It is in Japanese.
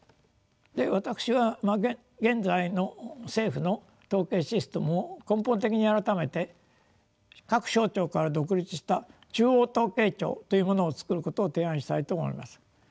私は現在の政府の統計システムを根本的に改めて各省庁から独立した「中央統計庁」というものを作ることを提案したいと思います。